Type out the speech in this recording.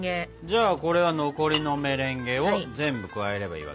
じゃあこれは残りのメレンゲを全部加えればいいわけね。